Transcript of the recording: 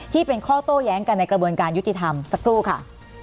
ที่เป็นข้อโต้แย้งกันในกระบวนการยุติธรรมสักครู่ค่ะ